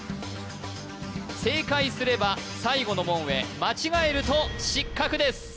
正解すれば最後の門へ間違えると失格です